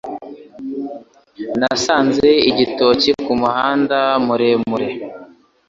Nasanze igitoki kumuhanda muremure